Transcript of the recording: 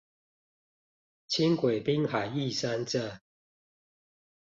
輕軌濱海義山站